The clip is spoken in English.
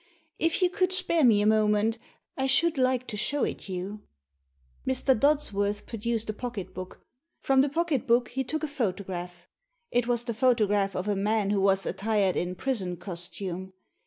If you could spare me a moment I should like to show it you." Mr. Dodsworth produced a pocket book. From the pocket book he took a photograph. It was the photograph of a man who was attired in prison costume.